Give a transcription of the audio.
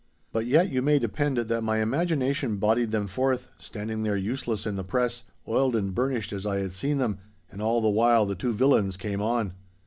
But yet you may depend that my imagination bodied them forth, standing there useless in the press, oiled and burnished, as I had seen them. And all the while the two villains came on.